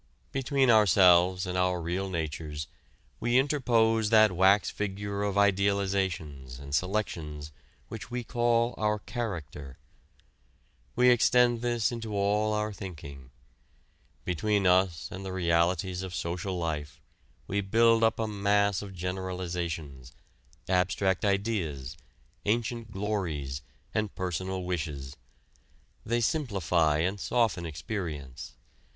Between ourselves and our real natures we interpose that wax figure of idealizations and selections which we call our character. We extend this into all our thinking. Between us and the realities of social life we build up a mass of generalizations, abstract ideas, ancient glories, and personal wishes. They simplify and soften experience.